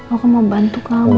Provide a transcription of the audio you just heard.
aku mau bantu kamu